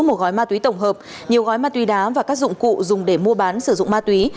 một gói ma túy tổng hợp nhiều gói ma túy đá và các dụng cụ dùng để mua bán sử dụng ma túy